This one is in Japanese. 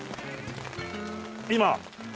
今。